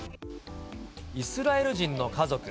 イスラエル人の家族。